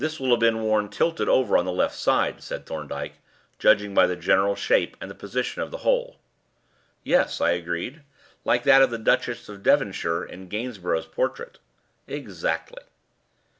"This will have been worn tilted over on the left side," said Thorndyke, "judging by the general shape and the position of the hole." "Yes," I agreed. "Like that of the Duchess of Devonshire in Gainsborough's portrait." "Exactly."